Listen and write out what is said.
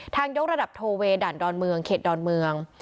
ยกระดับโทเวด่านดอนเมืองเขตดอนเมือง